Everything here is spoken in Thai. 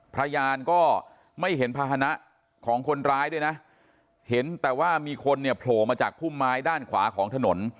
พยานก็ไม่เห็นภาษณะของคนร้ายด้วยนะเห็นแต่ว่ามีคนเนี่ยโผล่มาจากพุ่มไม้ด้านขวาของถนน